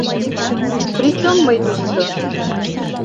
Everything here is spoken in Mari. Причём мый тушто?